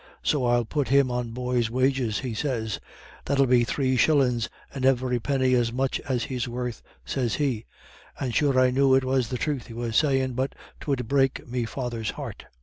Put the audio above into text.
So I'll put him on boys' wages,' he sez, 'that'ill be three shillin's, and every penny as much as he's worth,' sez he. And sure I knew it was the truth he was sayin', but 'twould break me father's heart.